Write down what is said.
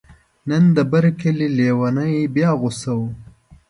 نن د بر کلي لیونی بیا غوصه و.